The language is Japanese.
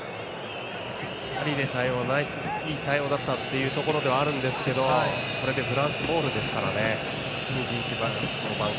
２人で対応いい対応だったというところはあるんですがフランスボールですからね。